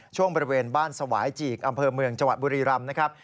ช่วงบริเวณบ้านสวายจีกอำเภอเมืองจังหวัดบุรีรำนะครับ